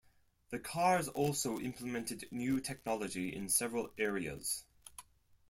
The cars also implemented new technology in several areas.